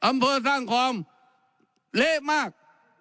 อำเภอสร้างคอมเละมาก